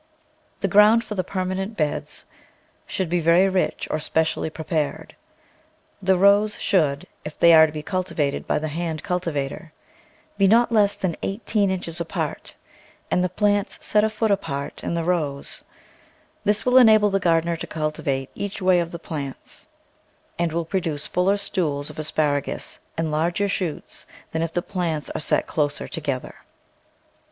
The ground for the permanent beds should be very rich or specially prepared. The rows should, if they are to be cultivated by the hand cultivator, be not less than eighteen inches apart and the plants set a foot apart in the rows; this will enable the gardener to cultivate each way of the plants and THE VEGETABLE GARDEN will produce fuller stools of asparagus and larger shoots than if the plants are set closer together.